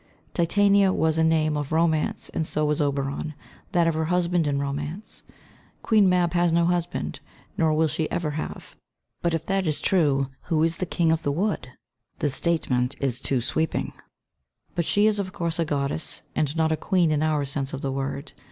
Titania was a name of romance, and so was Oberon, that of her husband in romance. Queen Mab has no husband, nor will she ever have. [Footnote 9: But if this is true, who is the King of the Wood? The statement is too sweeping.] But she is, of course, a goddess, and not a queen in our sense of the word.